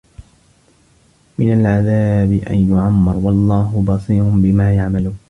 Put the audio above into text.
مِنَ الْعَذَابِ أَنْ يُعَمَّرَ ۗ وَاللَّهُ بَصِيرٌ بِمَا يَعْمَلُونَ